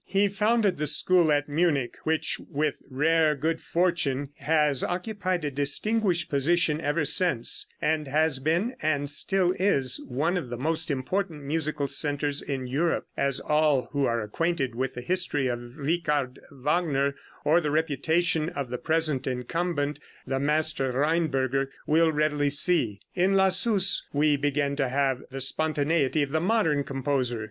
He founded the school at Munich which, with rare good fortune, has occupied a distinguished position ever since, and has been, and still is, one of the most important musical centers in Europe, as all who are acquainted with the history of Richard Wagner, or the reputation of the present incumbent, the Master Rheinberger, will readily see. In Lassus we begin to have the spontaneity of the modern composer.